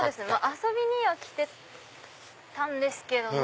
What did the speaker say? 遊びには来てたんですけども。